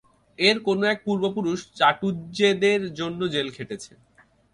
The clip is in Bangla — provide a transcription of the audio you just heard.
এর কোনো এক পূর্বপুরুষ চাটুজ্যেদের জন্যে জেল খেটেছে।